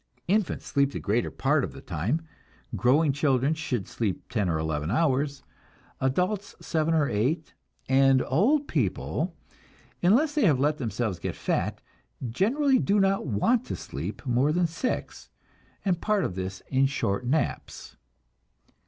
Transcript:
Infants sleep the greater part of the time; growing children should sleep ten or eleven hours, adults seven or eight, and old people, unless they have let themselves get fat, generally do not want to sleep more than six, and part of this in short naps.